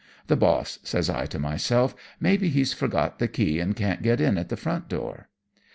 "'The boss,' says I to myself; 'maybe he's forgot the key and can't get in at the front door.'